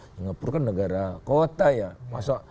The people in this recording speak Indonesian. singapura kan negara kota ya